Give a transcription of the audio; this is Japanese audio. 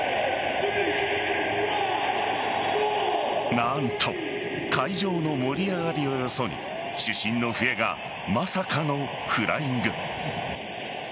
何と会場の盛り上がりをよそに主審の笛が、まさかのフライング。